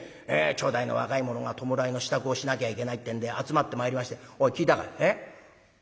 町内の若い者が弔いの支度をしなきゃいけないってんで集まってまいりまして「おい聞いたかい？ええ？